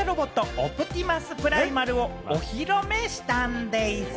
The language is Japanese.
オプティマスプライマルを披露したんでございます。